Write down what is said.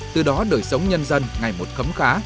từ đó đời sống nhân dân ngày một khấm khá